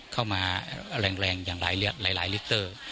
เข้ามาแรงอย่างหลายลิเกเตอร์